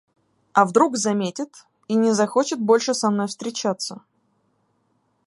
А вдруг заметит и не захочет больше со мной встречаться.